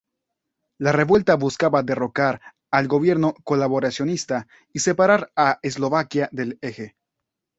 La revuelta buscaba derrocar al gobierno colaboracionista y separar a Eslovaquia del Eje.